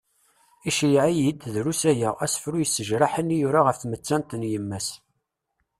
Iceyyeε-iyi-d, drus aya, asefru yessejraḥen i yura af tmettant n yemma-s.